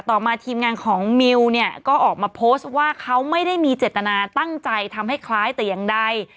ต่อมาทีมงานของมิวเนี่ยก็ออกมาโพสต์ว่าเขาไม่ได้มีเจตนาตั้งใจทำให้คล้ายแต่อย่างใด